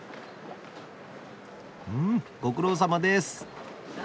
うんご苦労さまです！